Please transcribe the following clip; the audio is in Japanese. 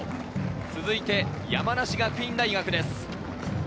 続いて山梨学院大学です。